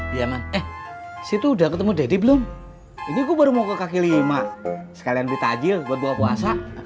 iya bang eh situ udah ketemu daddy belum ini gue baru mau ke kaki lima sekalian pita ajil buat bawa puasa